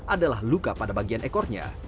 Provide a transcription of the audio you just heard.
adalah luka pada bagian ekornya